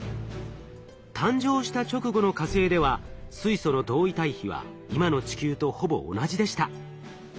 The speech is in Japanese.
誕生した直後の火星では水素の同位体比は今の地球とほぼ同じでした。